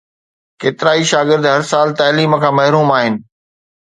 ڪيترائي شاگرد هر سال تعليم کان محروم آهن